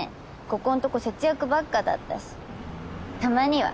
ここんとこ節約ばっかだったしたまには。